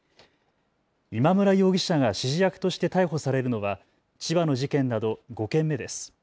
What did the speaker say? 今村容疑者が指示役として逮捕されるのは千葉の事件など５件目です。